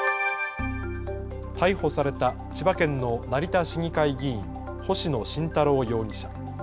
逮捕された千葉県の成田市議会議員、星野慎太郎容疑者。